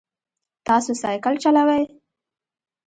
تاسو سایکل چلوئ؟